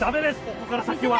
ここから先は！